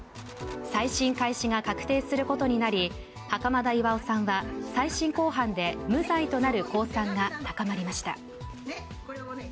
再審開始が確定することになり袴田巌さんは再審公判で無罪となる公算が高まりました。